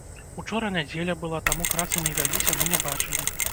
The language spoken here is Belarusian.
Учора нядзеля была, таму працы не вяліся, мы не бачылі.